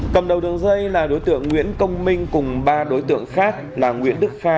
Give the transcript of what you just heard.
cầm đầu đường dây là đối tượng nguyễn công minh cùng ba đối tượng khác là nguyễn đức kha